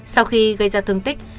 sau khi gây ra thương tích